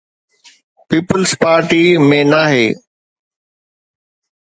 Peoples Party ۾ ناهي.